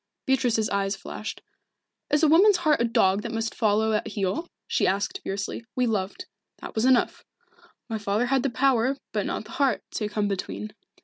Beatrice's eyes flashed. "Is a woman's heart a dog that must follow at heel?" she asked fiercely. "We loved. That was enough. My father had the power, but not the heart, to come between.